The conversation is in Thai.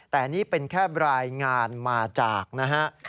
แต่นี่เป็นแค่รายงานมาจากนะฮะ